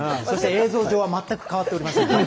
そして、映像上は全く変わっておりません。